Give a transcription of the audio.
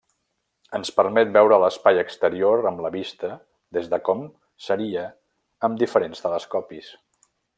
Ens permet veure l'espai exterior amb la vista des de com seria amb diferents telescopis.